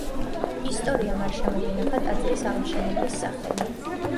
ისტორიამ არ შემოგვინახა ტაძრის აღმშენებლის სახელი.